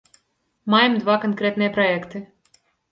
Маем два канкрэтныя праекты.